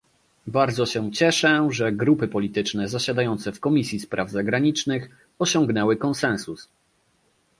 Bardzo się cieszę, że grupy polityczne zasiadające w Komisji Spraw Zagranicznych osiągnęły konsensus